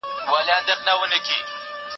سپين ورېښتان يو څو دانې دي